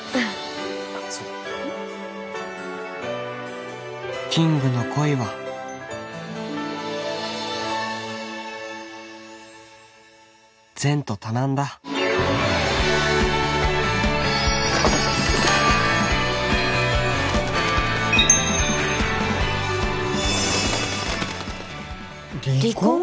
あっそうだキングの恋は前途多難だ離婚？